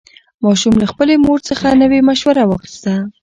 ماشوم له خپلې مور څخه نوې مشوره واخیسته